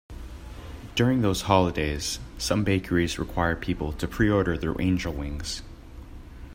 During those holidays, some bakeries require people to pre-order their angel wings.